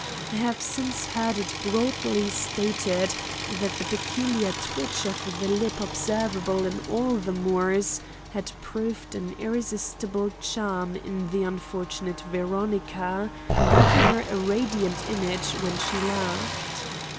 I have since heard it broadly stated that the peculiar twitch of the lip observable in all the Moores had proved an irresistible charm in the unfortunate Veronica, making her a radiant image when she laughed.